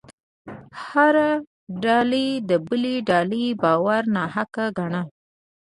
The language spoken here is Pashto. هره ډلې د بلې ډلې باور ناحقه ګاڼه.